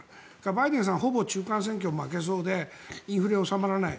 バイデンさんはほぼ中間選挙負けそうでインフレが収まらない。